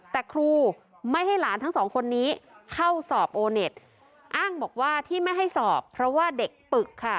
แต่ครูไม่ให้หลานทั้งสองคนนี้เข้าสอบโอเน็ตอ้างบอกว่าที่ไม่ให้สอบเพราะว่าเด็กปึกค่ะ